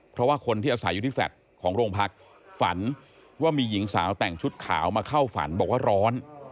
เพราะว่าคนที่อาศัยอยู่ที่แฟลต์ของโรงพักฝันว่ามีหญิงสาวแต่งชุดขาวมาเข้าฝันบอกว่าร้อน